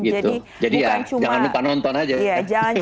jadi ya jangan lupa nonton aja